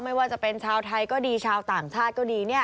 ไม่ว่าจะเป็นชาวไทยก็ดีชาวต่างชาติก็ดีเนี่ย